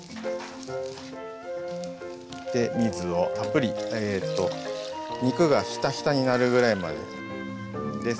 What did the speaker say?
で水をたっぷり肉がひたひたになるぐらいまでです。